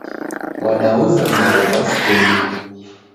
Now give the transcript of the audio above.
Wadauza maghuw'a skulu.